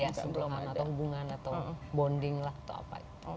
iya sentuhan atau hubungan atau bonding lah atau apa